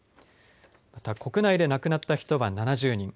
また国内で亡くなった人は７０人。